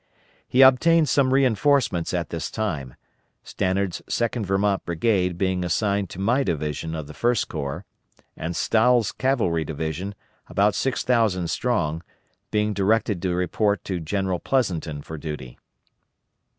He obtained some reinforcements at this time, Stannard's Second Vermont brigade being assigned to my division of the First Corps, and Stahel's cavalry division, about six thousand strong, being directed to report to General Pleasonton for duty.